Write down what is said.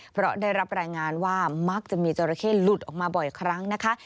เพราะได้รับรายงานว่ามักจะมีจราเข้หลุดออกมาบ่อยครั้งนะคะ